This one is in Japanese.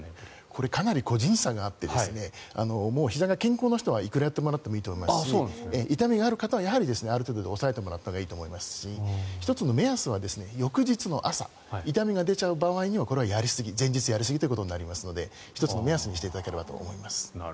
これかなり個人差があってひざが健康な人はいくらやってもらってもいいと思いますし痛みがある方は、やはりある程度抑えてもらったほうがいいと思いますし１つの目安は翌日の朝、痛みが出ちゃう場合はこれはやりすぎ前日やりすぎということになりますので１つの目安にしていただければと思います。